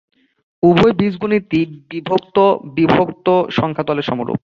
উভয় বীজগণিতই বিভক্ত-বিভক্ত সংখ্যাতলের সমরূপ।